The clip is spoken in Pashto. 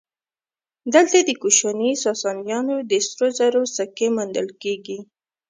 دلته د کوشاني ساسانیانو د سرو زرو سکې موندل کېږي